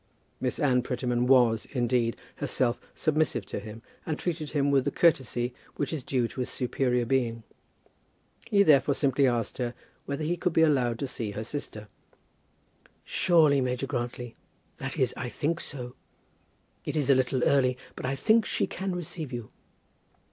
Miss Anne Prettyman was, indeed, herself submissive to him, and treated him with the courtesy which is due to a superior being. He therefore simply asked her whether he could be allowed to see her sister. "Surely, Major Grantly; that is, I think so. It is a little early, but I think she can receive you."